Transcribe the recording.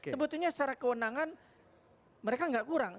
sebetulnya secara kewenangan mereka nggak kurang